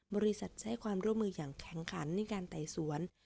บริษัทจะให้ความร่วมมืออย่างแข็งขันในการไต่สวน